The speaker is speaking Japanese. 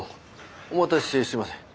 お待たせしてすみません。